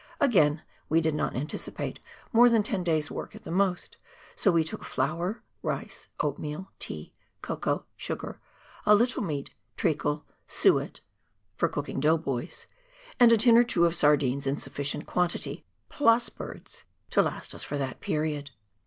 Again, we did not anticipate more than ten days' work at the most, so we took flour, rice, oatmeal, tea, cocoa, sugar, a little meat, treacle, suet (for 150 PIONEER WORK IN THE ALPS OF NEW ZEALAND. cooking dough boys), and a tin or two of sardines in sufficient quantity, j9/ms birds, to last us for that period.